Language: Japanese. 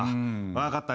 分かった。